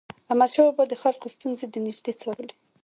احمدشاه بابا به د خلکو ستونزې د نژدي څارلي.